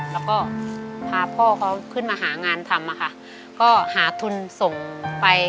แล้วก็พาพ่อเขาขึ้นมาหางานทำค่ะก็หาทุนส่งไป